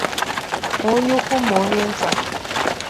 ma onye ukwu ma onye nta